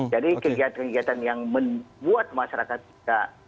jadi kegiatan kegiatan yang membuat masyarakat tidak